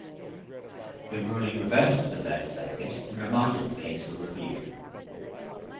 The ruling reversed the Third Circuit and remanded the case for review.